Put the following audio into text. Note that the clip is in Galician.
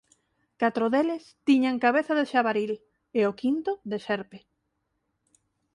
Catro deles tiñan cabeza de xabaril e o quinto de serpe.